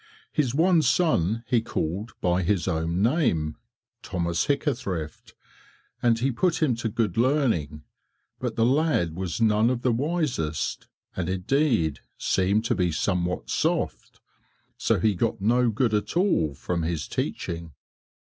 His one son he called by his own name, Thomas Hickathrift, and he put him to good learning, but the lad was none of the wisest, and indeed seemed to be somewhat soft, so he got no good at all from his teaching.